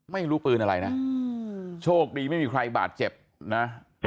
ไม่รู้ปืนอะไรนะโชคดีไม่มีใครบาดเจ็บนะ